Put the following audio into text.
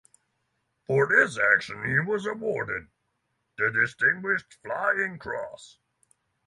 For this action he was awarded the Distinguished Flying Cross.